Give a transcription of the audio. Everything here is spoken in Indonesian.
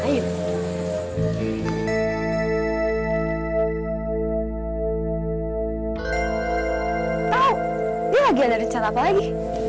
tau dia lagi ada rencana apa lagi